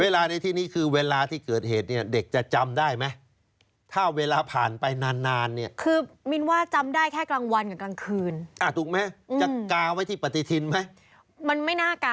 เวลาในที่นี้คือเวลาที่เกิดเหตุเนี่ยเด็กจะจำได้ไหม